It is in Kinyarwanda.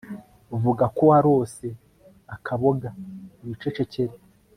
vuga ko warose akaboga wicecekere